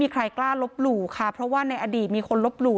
ใครกล้าลบหลู่ค่ะเพราะว่าในอดีตมีคนลบหลู่